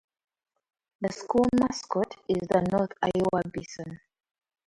The school mascot is the North Iowa Bison.